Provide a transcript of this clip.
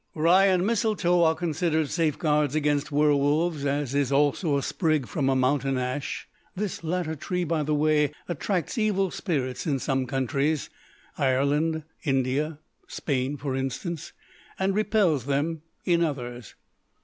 Rye and mistletoe are considered safeguards against werwolves, as is also a sprig from a mountain ash. This latter tree, by the way, attracts evil spirits in some countries Ireland, India, Spain, for instance and repels them in others.